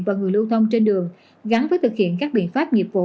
và người lưu thông trên đường gắn với thực hiện các biện pháp nghiệp vụ